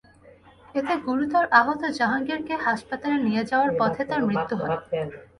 এতে গুরুতর আহত জাহাঙ্গীরকে হাসপাতালে নিয়ে যাওয়ার পথে তাঁর মৃত্যু হয়।